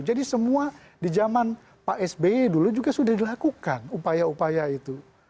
jadi semua di zaman pak sba dulu juga sudah dilakukan upaya upaya itu